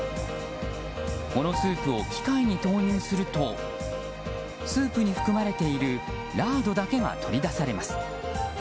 このスープを機械に投入するとスープに含まれているラードだけが取り出されます。